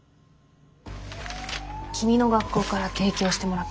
君の学校から提供してもらったもの。